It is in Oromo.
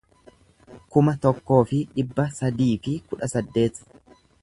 kuma tokkoo fi dhibba sadii fi kudha saddeet